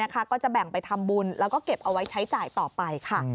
ก็จะแบ่งไปทำบุญแล้วก็เก็บเอาไว้ใช้จ่ายต่อไปค่ะ